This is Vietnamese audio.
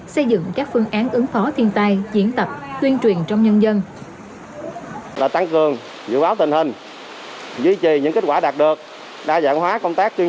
xây dựng các phương án ứng phó thiên tai diễn tập tuyên truyền trong nhân dân